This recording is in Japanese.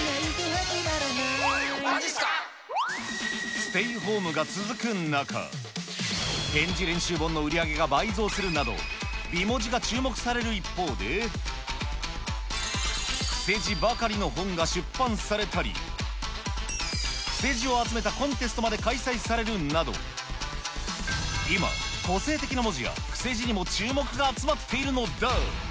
ステイホームが続く中、ペン字練習本の売り上げが倍増するなど、美文字が注目される一方で、癖字ばかりの本が出版されたり、癖字を集めたコンテストまで開催されるなど、今、個性的な文字や癖字にも注目が集まっているのだ。